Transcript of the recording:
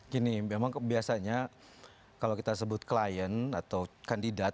gini memang biasanya kalau kita sebut klien atau kandidat